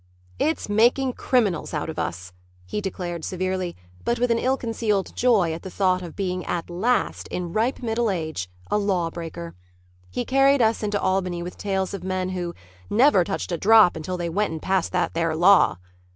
"It's making criminals out of us," he declared severely but with an ill concealed joy at the thought of being at last, in ripe middle age, a law breaker. He carried us into Albany with tales of men who "never touched a drop until they went and passed that there law."